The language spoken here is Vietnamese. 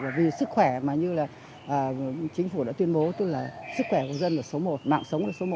và vì sức khỏe mà như là chính phủ đã tuyên bố tức là sức khỏe của dân là số một mạng sống là số một